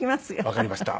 わかりました。